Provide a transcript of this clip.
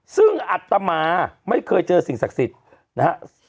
ซึ่งอัตมาไม่เคยเจอสิ่งศักดิ์สิทธิ์นะฮะ